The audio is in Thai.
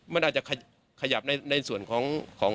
มันอาจจะขยับในส่วนของ